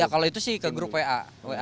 ya kalau itu sih ke grup wa wa